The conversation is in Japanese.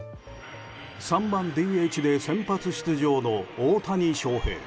３番ＤＨで先発出場の大谷翔平。